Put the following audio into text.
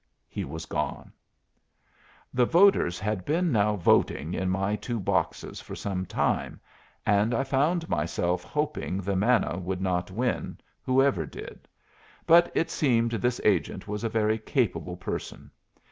He was gone. The voters had been now voting in my two boxes for some time, and I found myself hoping the manna would not win, whoever did; but it seemed this agent was a very capable person.